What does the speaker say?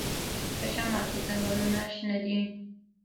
په شمال کې ځنګلونه شنه دي.